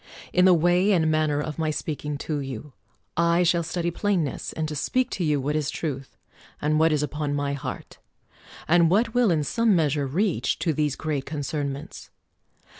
In the way and manner of my speaking to you, I shall study plainness, and to speak to you what is truth, and what is upon my heart, and what will in some measure reach to these great concernments.